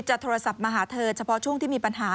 โทรศัพท์มาหาเธอเฉพาะช่วงที่มีปัญหา